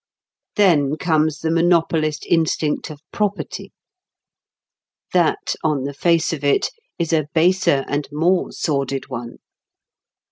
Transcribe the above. Then comes the monopolist instinct of property. That, on the face of it, is a baser and more sordid one.